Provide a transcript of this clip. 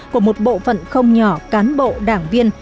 của một bộ phận không nhỏ cán bộ đảng viên